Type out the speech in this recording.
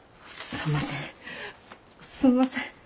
すんません。